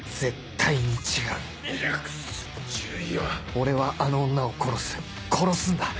俺はあの女を殺す殺すんだ